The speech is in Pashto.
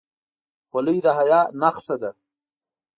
خولۍ د حیا نښه ده.